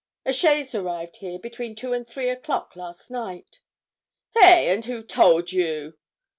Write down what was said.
'A chaise arrived here between two and three o'clock last night.' 'Hey! and who told you?'